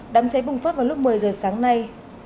đám cháy bùng phát vào lúc một mươi giờ sáng nay